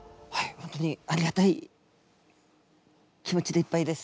本当にありがたい気持ちでいっぱいです。